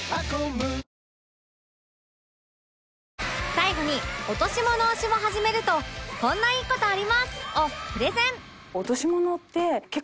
最後に落とし物推しを始めるとこんないい事あります！をプレゼン